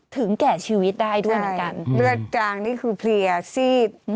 ถึงแก่ชีวิตได้ด้วยเหมือนกันเลือดกลางนี่คือเพลียซีด